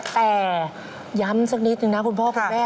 แต่ย้ำสักนิดนึงนะคุณพ่อคุณแม่